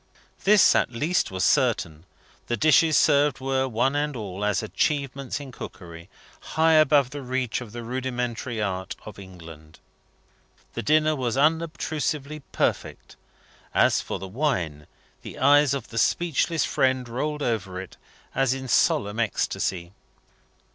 This at least was certain the dishes served were, one and all, as achievements in cookery, high above the reach of the rude elementary art of England. The dinner was unobtrusively perfect. As for the wine, the eyes of the speechless friend rolled over it, as in solemn ecstasy.